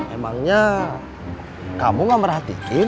emangnya kamu gak merhatiin